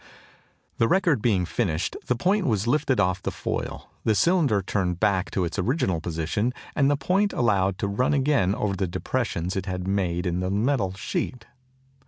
_] The record being finished, the point was lifted off the foil, the cylinder turned back to its original position, and the point allowed to run again over the depressions it had made in the metal sheet.